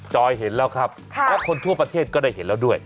จอยเห็นแล้วครับและคนทั่วประเทศก็ได้เห็นแล้วด้วย